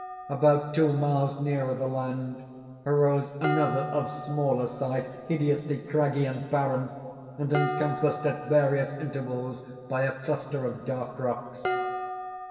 About two miles nearer the land, arose another of smaller size, hideously craggy and barren, and encompassed at various intervals by a cluster of dark rocks.